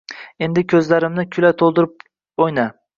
Endi ko`zlarimni kulga to`ldirib o`yna